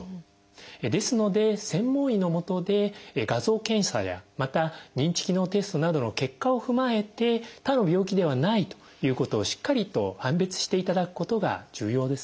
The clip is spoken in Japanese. ですので専門医の下で画像検査やまた認知機能テストなどの結果を踏まえて他の病気ではないということをしっかりと判別していただくことが重要です。